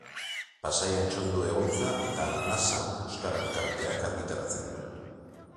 Pasai Antxon du egoitza eta Arnasa euskara elkarteak argitaratzen du.